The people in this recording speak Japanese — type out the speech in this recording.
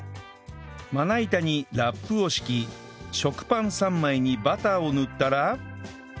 まな板にラップを敷き食パン３枚にバターを塗ったら